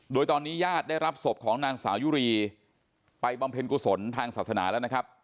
โดยตอนนี้ญาติได้รับศพของนางสาวยุรีไปบำเพ็ญกุศลทางศาสนาแล้วนะครับ